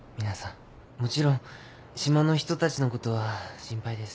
もちろん島の人たちのことは心配です。